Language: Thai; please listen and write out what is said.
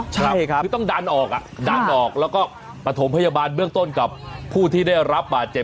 ใช่ครับคือต้องดันออกอ่ะดันออกแล้วก็ประถมพยาบาลเบื้องต้นกับผู้ที่ได้รับบาดเจ็บ